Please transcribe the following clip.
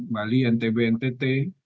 bali ntb ntt